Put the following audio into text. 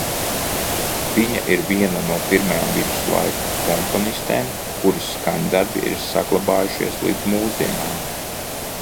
Viņa ir viena no pirmajām viduslaiku komponistēm, kuras skaņdarbi ir saglabājušies līdz mūsdienām.